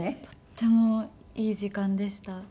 とってもいい時間でした。